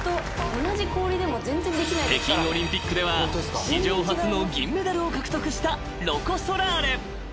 ［北京オリンピックでは史上初の銀メダルを獲得したロコ・ソラーレ］